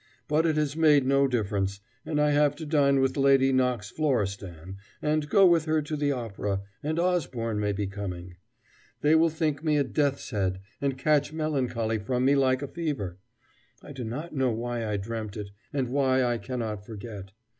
But it has made no difference; and I have to dine with Lady Knox Florestan, and go with her to the opera; and Osborne may be coming. They will think me a death's head, and catch melancholy from me like a fever. I do not know why I dreamt it, and why I cannot forget.